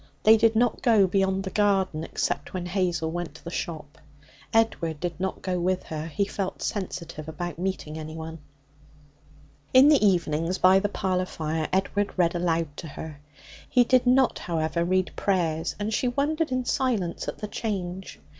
They did not go beyond the garden, except when Hazel went to the shop. Edward did not go with her; he felt sensitive about meeting anyone. In the evenings, by the parlour fire, Edward read aloud to her. He did not, however, read prayers, and she wondered in silence at the change.